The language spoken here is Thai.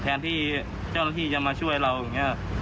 แทนที่เจ้าหน้าที่จะมาช่วยเราอย่างนี้